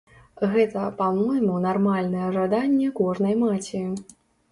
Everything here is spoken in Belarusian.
Гэта, па-мойму, нармальнае жаданне кожнай маці.